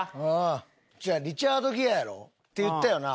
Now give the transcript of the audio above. リチャード・ギアやろ？って言ったよな？